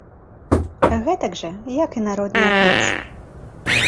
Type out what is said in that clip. Гэтак жа як і народныя танцы.